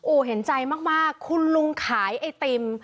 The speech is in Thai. โอ้โหเห็นใจมากคุณลุงขายไอติม